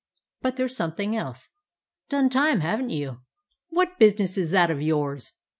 But there 's some thing else. Done time, have n't you?" "What business is that of yours?"